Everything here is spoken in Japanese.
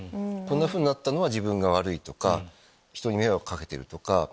こうなったのは自分が悪いとか人に迷惑かけてるとか。